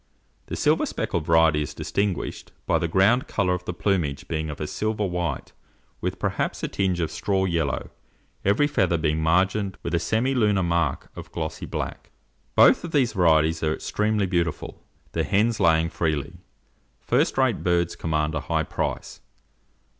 The silver speckled variety is distinguished by the ground colour of the plumage being of a silver white, with perhaps a tinge of straw yellow, every leather being margined with a semi lunar mark of glossy black. Both of these varieties are extremely beautiful, the hens laying freely. First rate birds command a high price.